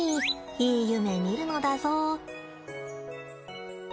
いい夢見るのだぞ。